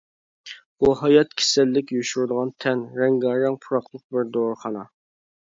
بۇ ھايات كېسەللىك يوشۇرۇنغان تەن، رەڭگارەڭ پۇراقلىق بىر دورىخانا.